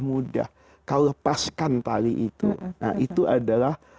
mudah kau lepaskan tali itu nah itu adalah